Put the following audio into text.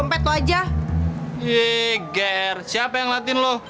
mata mata han siapa han